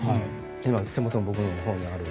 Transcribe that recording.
今、手元の僕のほうにある。